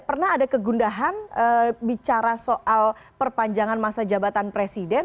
pernah ada kegundahan bicara soal perpanjangan masa jabatan presiden